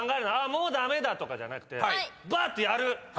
もう駄目だとかじゃなくてばっとやる！